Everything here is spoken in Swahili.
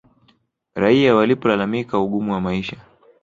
Raia walipolalamika ugumu wa maisha